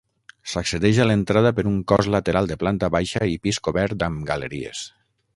S'accedeix a l'entrada per un cos lateral de planta baixa i pis cobert amb galeries.